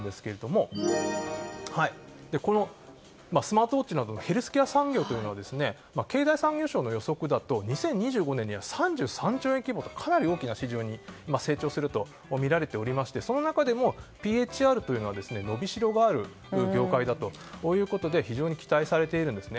このスマートウォッチなどのヘルスケア産業というのは経済産業省の予測だと２０２５年には３３兆円規模と大きな市場に成長すると見られておりまして、その中でもＰＨＲというのは伸びしろがある業界だということで非常に期待されています。